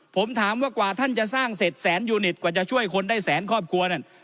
ผมถามว่ากว่าท่านจะสร้างเสร็จแสนยูนิตกว่าจะช่วยคนได้แสนครอบครัวนั่น